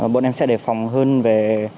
bọn em sẽ đề phòng hơn về